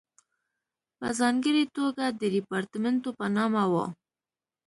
په ځانګړې توګه د ریپارټیمنټو په نامه وو.